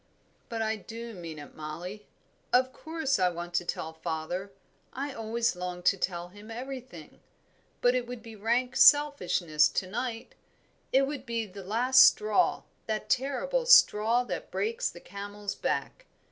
"But I do mean it, Mollie. Of course I want to tell father I always long to tell him everything, but it would be rank selfishness to night; it would be the last straw, that terrible straw that breaks the camel's back.